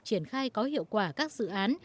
triển khai có hiệu quả các dự án